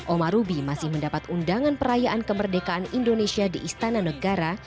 oma rubi masih mendapat undangan perayaan kemerdekaan indonesia di istana negara